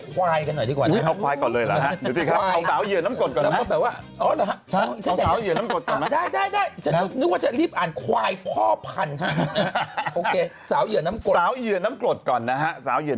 เกี้ยวดูด้วยโหยฉันโทนมาหน่อยเลย